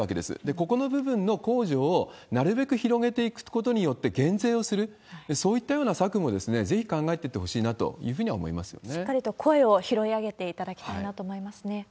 ここの部分の控除をなるべく広げていくことによって減税をする、そういったような策もぜひ考えていってほしいなというふうには思しっかりと声を拾い上げていただきたいなと思いますね。